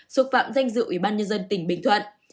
xúc phạm danh dự ủy ban nhân dân tỉnh bình thuận